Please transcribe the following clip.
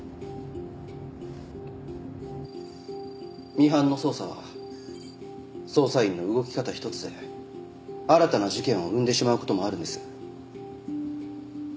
ミハンの捜査は捜査員の動き方一つで新たな事件を生んでしまうこともあるんです。